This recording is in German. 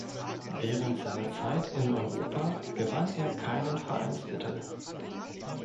Während seiner Zeit in Europa gewann er keinen Vereinstitel.